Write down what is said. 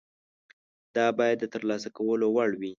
دا باید د ترلاسه کولو وړ وي.